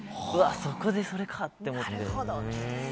そこでそれかって思って。